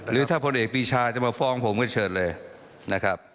หรือถ้าพลเอกปีชาจะมาฟ้องผมก็เชิญเลยนะครับ